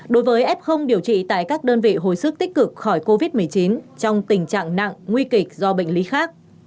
đối với f điều trị tại các đơn vị hồi sức tích cực khỏi covid một mươi chín trong tình trạng nặng nguy kịch do bệnh lý khác